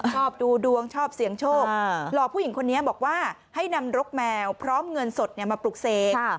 ชอบดูดวงชอบเสี่ยงโชคหลอกผู้หญิงคนนี้บอกว่าให้นำรกแมวพร้อมเงินสดมาปลุกเสก